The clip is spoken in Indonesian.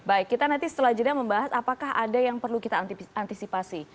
baik kita nanti setelah jeda membahas apakah ada yang perlu kita antisipasi